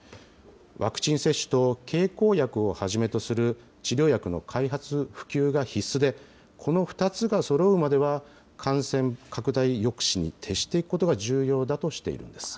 ワクチン接種と経口薬をはじめとする治療薬の開発、普及が必須で、この２つがそろうまでは、感染拡大抑止に徹していくことが重要だとしています。